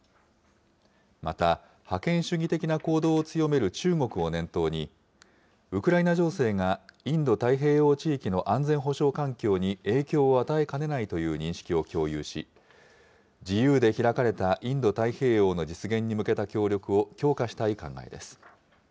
また、覇権主義的な行動を強める中国を念頭に、ウクライナ情勢がインド太平洋地域の安全保障環境に影響を与えかねないという認識を共有し、自由で開かれたインド太平洋の実現に向けた協力を強化したい考えです。